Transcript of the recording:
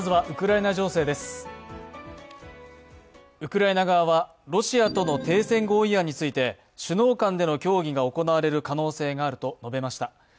ウクライナ側はロシアとの停戦合意案について首脳間での協議が行われる可能性があると述べました。